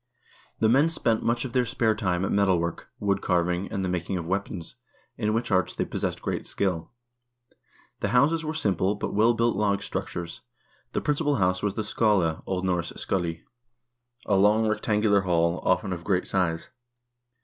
The men spent much of their spare time at metal work, wood carving, and the making of weapons, in which arts they possessed great skill. The houses were simple but well built log *«jtVfc?S Fig. 39. — Loom from the Faroe Islands. structures. The principal house was the skaale (O. N. skdli), a long rectangular hall, often of great size.